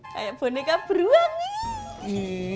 kayak boneka buruang nih